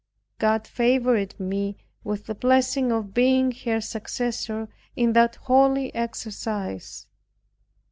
God favored me with the blessing of being her successor in that holy exercise.